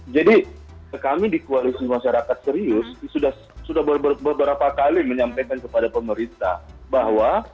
jadi kami di koalisi masyarakat serius sudah beberapa kali menyampaikan kepada pemerintah bahwa